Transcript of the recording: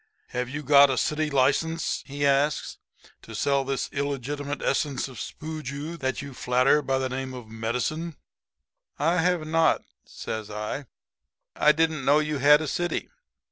"'Have you got a city license,' he asks, 'to sell this illegitimate essence of spooju that you flatter by the name of medicine?' "'I have not,' says I. 'I didn't know you had a city.